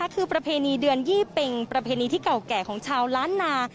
คือประเพณีเดือนยี่เป็งประเพณีที่เก่าแก่ของชาวล้านนา